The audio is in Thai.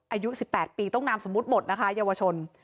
อายุ๑๘ปีต้องนามสมมุติหมดนะคะเยาวชน